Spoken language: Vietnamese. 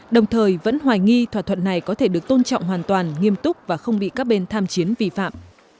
đồng thời vẫn hoài nghi thỏa thuận này có thể được tôn trọng hoàn toàn nghiêm túc và không bị các bên tham chiến vi phạm